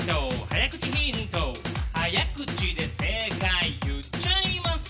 「早口で正解言っちゃいます」